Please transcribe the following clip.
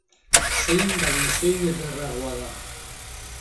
Zein baino zein ederragoa da.